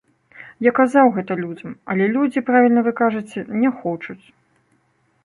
Я казаў гэта людзям, але людзі, правільна вы кажаце, не хочуць.